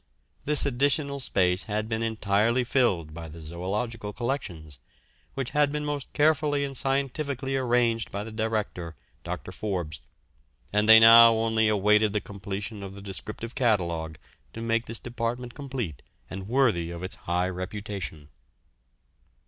This additional space had been entirely filled by the zoological collections, which had been most carefully and scientifically arranged by the director, Dr. Forbes, and they now only awaited the completion of the descriptive catalogue to make this department complete and worthy of its high reputation.